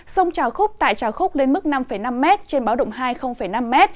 sông trào khúc tại trào khúc lên mức năm năm m trên báo động hai năm m